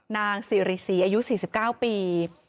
นางสิริษีอายุ๔๙ปี